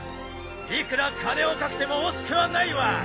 いくら金をかけても惜しくはないわ！